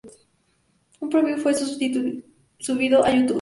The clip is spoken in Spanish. Un preview fue subido a YouTube.